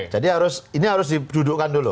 jadi ini harus didudukkan dulu